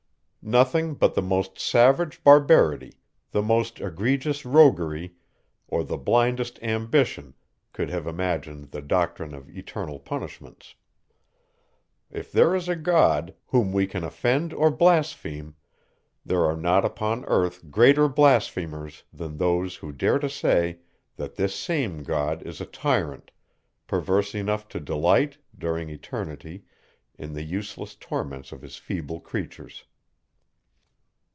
Nothing but the most savage barbarity, the most egregious roguery, or the blindest ambition could have imagined the doctrine of eternal punishments. If there is a God, whom we can offend or blaspheme, there are not upon earth greater blasphemers than those, who dare to say, that this same God is a tyrant, perverse enough to delight, during eternity, in the useless torments of his feeble creatures.